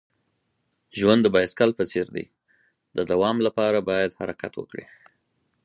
ژوند د بایسکل په څیر دی. د دوام لپاره باید حرکت وکړې.